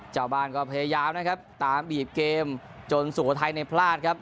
เจ้าบ้านก็พยายามนะครับตามหยีบเกมจนสวทัยในพลาดครับ